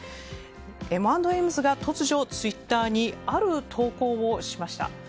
Ｍ＆Ｍ’ｓが突如、ツイッターにある投稿をしました。